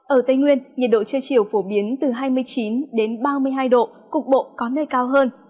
ở tây nguyên nhiệt độ trưa chiều phổ biến từ hai mươi chín ba mươi hai độ cục bộ có nơi cao hơn